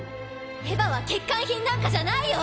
エヴァは欠陥品なんかじゃないよ！